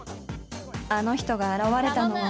［あの人が現れたのは］